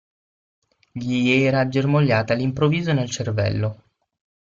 Gli era germogliata all'improvviso nel cervello.